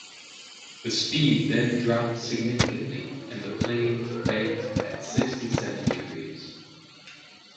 The speed then dropped significantly, and the plane banked at sixty seven degrees.